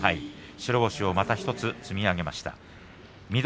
白星をまた１つ積み上げました。